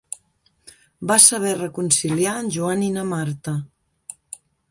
Va saber reconciliar en Joan i na Marta.